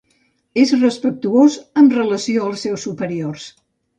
És respectuós amb relació als seus superiors.